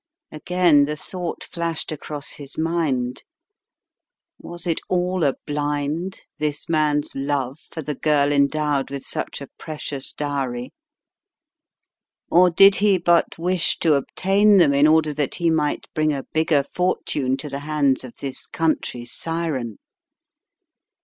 Again the thought flashed across his mind. Was it all a blind, this man's love for the girl endowed with such a precious dowry; or did he but wish to obtain them in order that he might 175 176 The Riddle of the Purple Emperor bring a bigger fortune to the hands of this country syren?